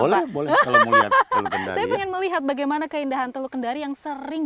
boleh boleh kalau melihat saya pengen melihat bagaimana keindahan teluk kendari yang sering